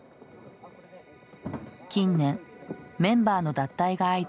近年メンバーの脱退が相次いだ